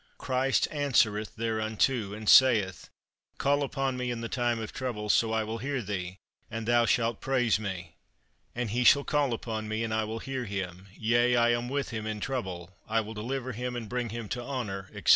Christ answereth thereunto, and saith, "Call upon me in the time of trouble, so I will hear thee, and thou shalt praise me." And "He shall call upon me, and I will hear him, yea, I am with him in trouble, I will deliver him, and bring him to honour," etc.